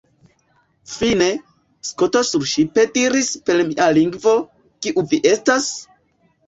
Fine, Skoto surŝipe diris per mia lingvo, “Kiu vi estas? »